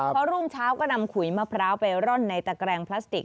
พอรุ่งเช้าก็นำขุยมะพร้าวไปร่อนในตะแกรงพลาสติก